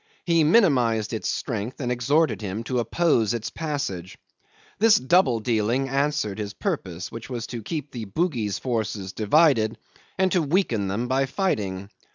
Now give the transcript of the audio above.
He minimised its strength and exhorted him to oppose its passage. This double dealing answered his purpose, which was to keep the Bugis forces divided and to weaken them by fighting.